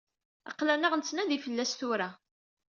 Aql-aneɣ nettnadi fell-as tura.